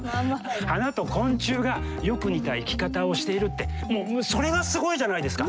花と昆虫がよく似た生き方をしているってそれがすごいじゃないですか。